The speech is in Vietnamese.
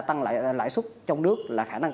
tăng lãi xuất trong nước là khả năng